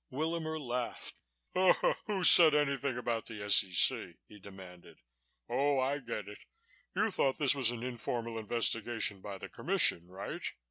Willamer laughed. "Who said anything about the S.E.C.?" he demanded. "Oh, I get it. You thought this was an informal investigation by the Commission. Right?